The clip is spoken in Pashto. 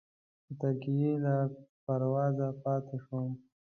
د ترکیې له پروازه پاتې شوم.